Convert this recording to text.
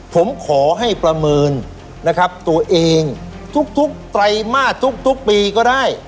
ผมขอให้ประเมินนะครับตัวเองทุกไตรมาสทุกปีก็ได้